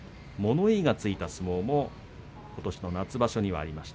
物言いがついた相撲もことしの夏場所にありました。